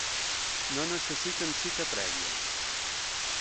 No necessiten cita prèvia.